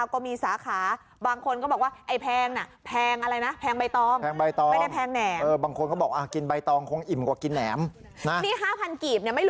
ตอนนี้ราคากีบหนึ่งมาประมาณ๔๒๐กว่ากีบ